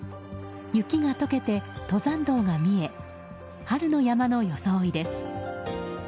雪が解けて登山道が見え春の山の装いです。